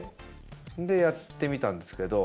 でやってみたんですけど。